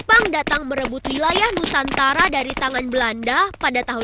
ketika jepang datang merebut wilayah nusantara dari tangan belanda pada tahun seribu sembilan ratus empat puluh dua